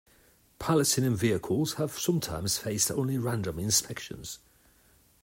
Palestinian vehicles have sometimes faced only random inspections.